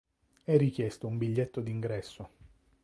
È richiesto un biglietto d'ingresso.